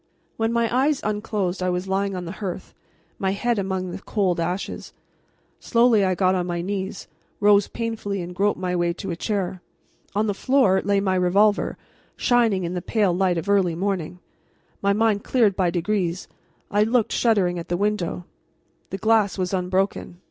When my eyes unclosed I was lying on the hearth, my head among the cold ashes. Slowly I got on my knees, rose painfully, and groped my way to a chair. On the floor lay my revolver, shining in the pale light of early morning. My mind clearing by degrees, I looked, shuddering, at the window. The glass was unbroken.